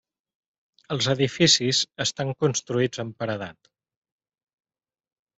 Els edificis estan construïts en paredat.